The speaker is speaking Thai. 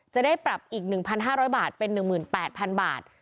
จะได้ปรับอีก๑๕๐๐บาทเป็น๑๘๐๐๐บาท